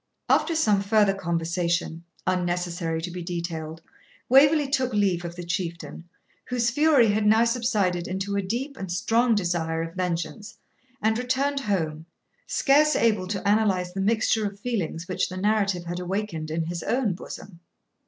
After some further conversation, unnecessary to be detailed, Waverley took leave of the Chieftain, whose fury had now subsided into a deep and strong desire of vengeance, and returned home, scarce able to analyse the mixture of feelings which the narrative had awakened in his own bosom.